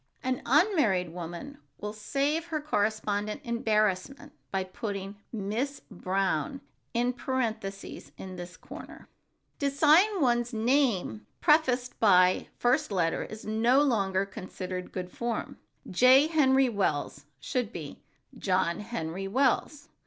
An unmarried woman will save her correspondent embarrassment by putting "Miss Brown" in parentheses in this corner. To sign one's name prefaced by the first letter is no longer considered good form. "J. Henry Wells" should be "John Henry Wells."